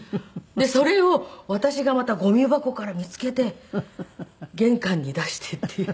でそれを私がまたゴミ箱から見つけて玄関に出してっていう。